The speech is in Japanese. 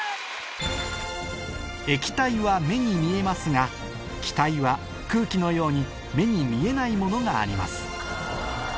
液体は目に見えますが気体は空気のように目に見えないものがあります